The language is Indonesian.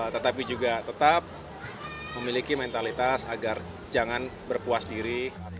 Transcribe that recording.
tetapi juga tetap memiliki mentalitas agar jangan berpuas diri